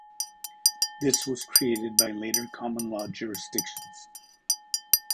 This was created by later common law jurisdictions.